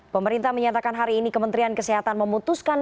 pemerintah menyatakan hari ini kementerian kesehatan memutuskan